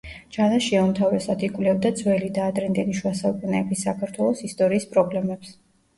ჯანაშია უმთავრესად იკვლევდა ძველი და ადრინდელი შუა საუკუნეების საქართველოს ისტორიის პრობლემებს.